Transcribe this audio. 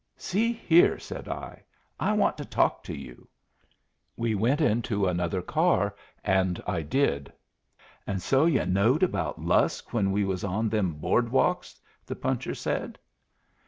"See here," said I; "I want to talk to you." We went into another car, and I did. "And so yu' knowed about Lusk when we was on them board walks?" the puncher said.